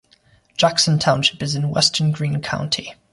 Jackson Township is in western Greene County.